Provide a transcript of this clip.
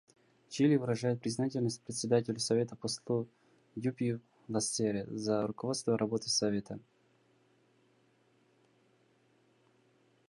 Чили выражает признательность Председателю Совета послу Дюпюи Лассерре за руководство работой Совета.